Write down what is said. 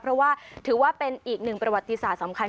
เพราะว่าถือว่าเป็นอีกหนึ่งประวัติศาสตร์สำคัญ